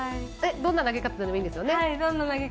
どんな投げ方でもいいんですよね。